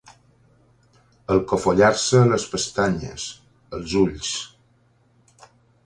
Alcofollar-se les pestanyes, els ulls.